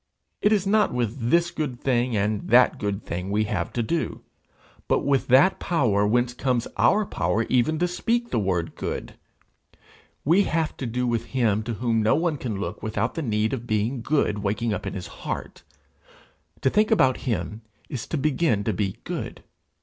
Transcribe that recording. It is not with this good thing and that good thing we have to do, but with that power whence comes our power even to speak the word good. We have to do with him to whom no one can look without the need of being good waking up in his heart; to think about him is to begin to be good.